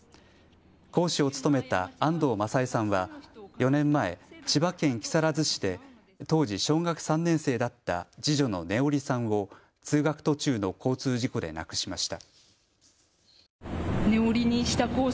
講師を務めた安藤正恵さんは４年前、千葉県木更津市で当時、小学３年生だった次女の音織さんを通学途中の交通事故で亡くしました。